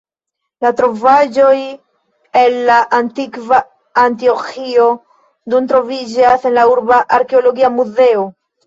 La trovaĵoj el la antikva Antioĥio nun troviĝas en urba arkeologia muzeo.